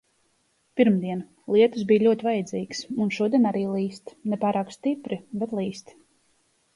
Pirmdiena. Lietus bija ļoti vajadzīgs. Un šodien arī līst. Ne pārāk stipri, bet līst.